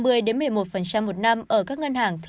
và một mươi một mươi một một năm ở các ngân hàng